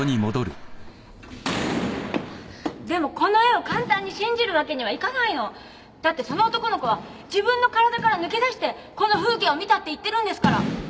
でもこの絵を簡単に信じるわけにはいかないの。だってその男の子は自分の体から抜け出してこの風景を見たって言ってるんですから！